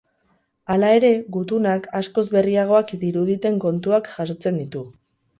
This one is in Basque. Hala ere, gutunak askoz berriagoak diruditen kontuak jasotzen ditu.